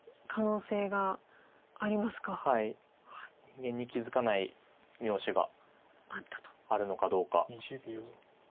人間に気付かない妙手があるのかどうか。